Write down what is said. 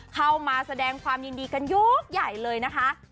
เข้ามาแสดงความยินดีกันยกใหญ่เลยนะคะ